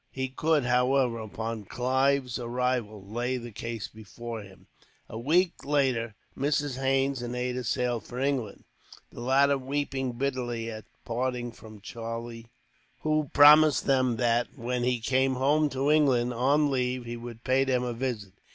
He could, however, upon Clive's arrival, lay the case before him. A week later, Mrs. Haines and Ada sailed for England, the latter weeping bitterly at parting from Charlie, who promised them that, when he came home to England on leave, he would pay them a visit.